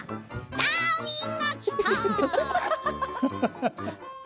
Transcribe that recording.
「ダーウィンが来た！」